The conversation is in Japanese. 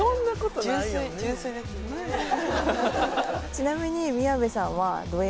ちなみに。